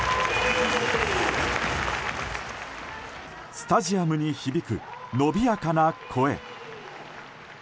スタジアムに響くのびやかな声。